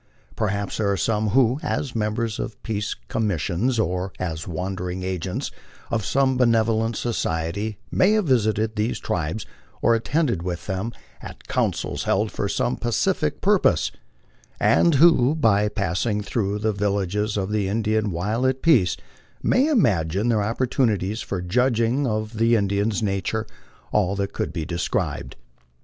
Perhaps there are some who, as members of peace commissions or as wandering agents of some benevolent society, may have visited these tribes or attended with them at councils held for some pacific purpose, and who, by passing through the vil lages of the Indian while at peace, may imagine their opportunities for judging of the Indian nature all that could be desired.